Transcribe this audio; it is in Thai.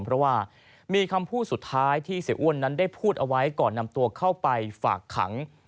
เพราะว่ามีคำพูดสุดท้ายที่เสียอ้วนนั้นได้พูดเอาไว้ก่อนนำตัวเข้าไปฝากขัง